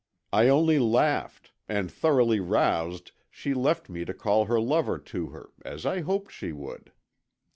I only laughed and thoroughly roused she left me to call her lover to her, as I hoped she would.